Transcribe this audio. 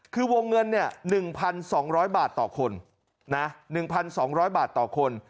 คือวงเงิน๑๒๐๐บาทต่อคน